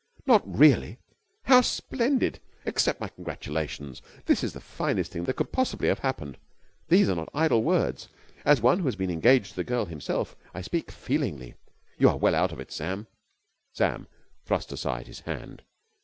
"Not really? How splendid! Accept my congratulations! This is the finest thing that could possibly have happened. These are not idle words. As one who has been engaged to the girl himself, I speak feelingly. You are well out of it, Sam." Sam thrust aside his hand.